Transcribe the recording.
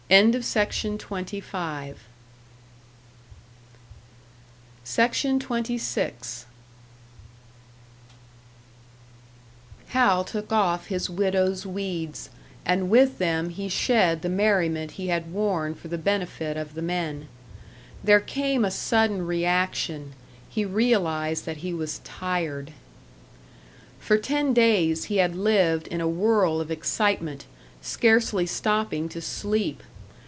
SECTION 26. Hal took off his widow's weeds; and with them he shed the merriment he had worn for the benefit of the men. There came a sudden reaction; he realised that he was tired. For ten days he had lived in a whirl of excitement, scarcely stopping to sleep.